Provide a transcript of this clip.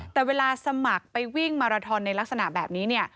แต่เวลาสมัครไปวิ่งมาราทอนในลักษณะแบบนี้เนี่ย